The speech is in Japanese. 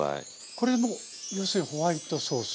これも要するにホワイトソース？